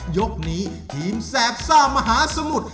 ยกนี้ทีมแสบซ่ามหาสมุทร